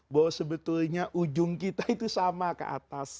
bahwa sebetulnya ujung kita itu sama ke atas